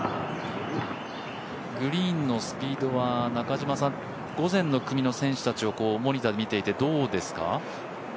グリーンのスピードは午前の組の選手たちをモニターで見ていてどうですか？